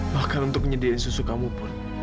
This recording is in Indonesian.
bahkan untuk menyediakan susu kamu pun